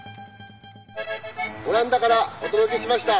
オランダからお届けしました。